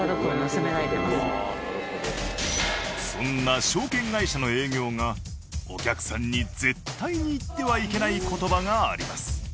そんな証券会社の営業がお客さんに絶対に言ってはいけない言葉があります。